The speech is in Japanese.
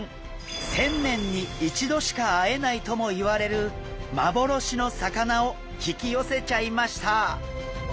１０００年に１度しか会えないともいわれる幻の魚を引き寄せちゃいました。